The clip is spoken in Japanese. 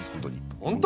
本当？